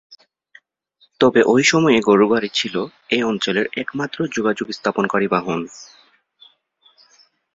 তবে ঐ সময়ে গরুর গাড়ি ছিল এ অঞ্চলের একমাত্র যোগাযোগ স্থাপনকারী বাহন।